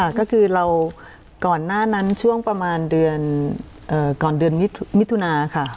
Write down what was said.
ก็คือเราก่อนหน้านั้นช่วงประมาณเดือนก่อนเดือนมิถุนาค่ะ